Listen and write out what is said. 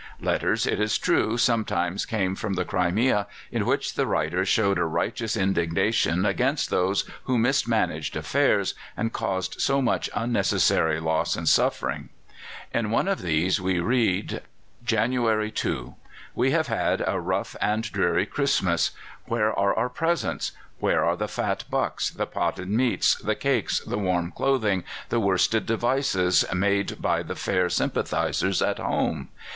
Letters, it is true, sometimes came from the Crimea in which the writer showed a righteous indignation against those who mismanaged affairs and caused so much unnecessary loss and suffering. In one of these we read: "January 2. We have had a rough and dreary Christmas. Where are our presents? where are the fat bucks, the potted meats, the cakes, the warm clothing, the worsted devices made by the fair sympathizers at home?